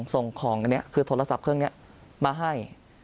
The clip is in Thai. ส่งของอันนี้คือโทรศัพท์เครื่องนี้มาให้